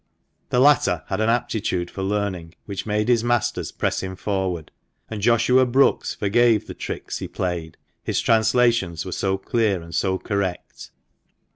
The latter had an aptitude for learning, which made his masters press him forward; and Joshua Brookes forgave the tricks he played, his translations were so clear and so correct.